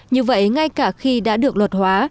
như vậy ngay cả khi đã được luật hóa